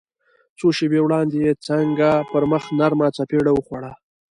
څو شېبې وړاندې يې څنګه پر مخ نرمه څپېړه وخوړه.